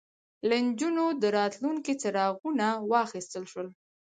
له نجونو د راتلونکي څراغونه واخیستل شول